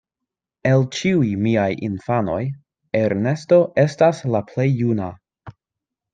El ĉiuj miaj infanoj Ernesto estas la plej juna.